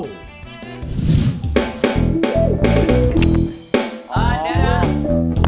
เออเดี๋ยว